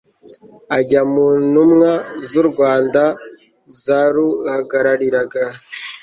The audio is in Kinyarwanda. ajya mu ntumwa z'u rwanda zaruhagarariraga